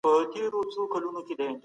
د هاضمې سیستم لپاره هم زعفران ګټور دی.